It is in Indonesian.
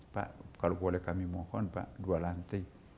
pak kalau boleh kami mohon pak dua lantai